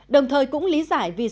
đồng thời cũng lý giải vì sao